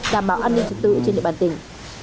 đảm bảo an ninh trật tự trên địa bàn tỉnh